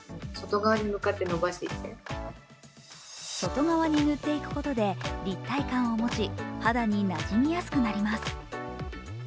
外側に塗っていくことで立体感を持ち肌になじみやすくなります。